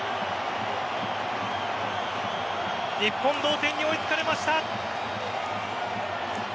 日本、同点に追いつかれました。